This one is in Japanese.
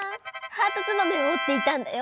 ハートツバメをおっていたんだよ。